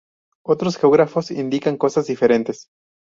Otros geógrafos indican cosas diferentes.